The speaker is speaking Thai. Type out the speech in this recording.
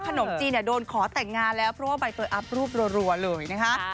ขนมจีนเนี่ยโดนขอแต่งงานแล้วเพราะว่าใบเตยอัพรูปรัวเลยนะคะ